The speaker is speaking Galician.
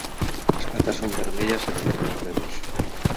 As patas son vermellas e de longos dedos.